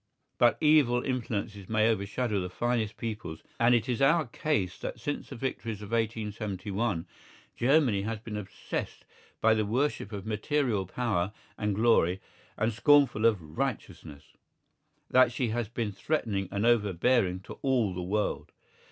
But evil influences may overshadow the finest peoples, and it is our case that since the victories of 1871 Germany has been obsessed by the worship of material power and glory and scornful of righteousness; that she has been threatening and overbearing to all the world.